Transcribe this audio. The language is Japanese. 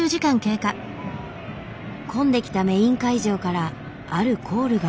混んできたメイン会場からあるコールが。